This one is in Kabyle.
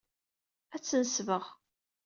Ad tt-nesbeɣ.